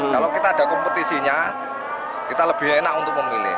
kalau kita ada kompetisinya kita lebih enak untuk memilih